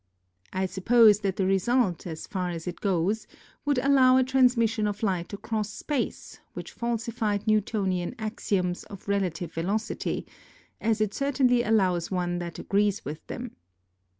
I suppose that the result as far as it goes would allow a transmission of light across space which falsified Newtonian axioms of relative velocity, as it certainly allows one that agrees with them.